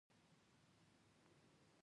هېواد د سیاست ډګر دی.